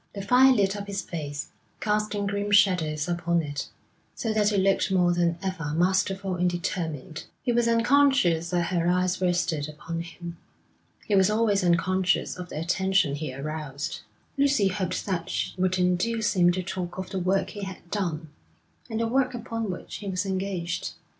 The fire lit up his face, casting grim shadows upon it, so that it looked more than ever masterful and determined. He was unconscious that her eyes rested upon him. He was always unconscious of the attention he aroused. Lucy hoped that she would induce him to talk of the work he had done, and the work upon which he was engaged.